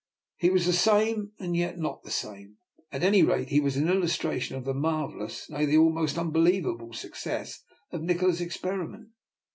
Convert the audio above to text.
He was the same and yet not the same. At any rate, he was an illustration of the marvellous, nay, the almost unbelievable, success of Nikola's experiment.